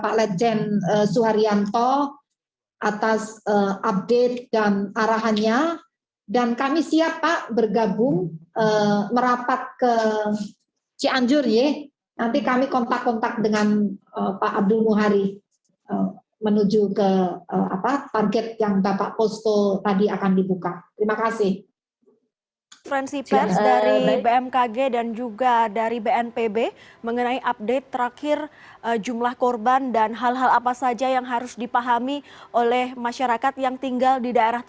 kepala bnpb bapak lejen suharyanto atas update dan arahannya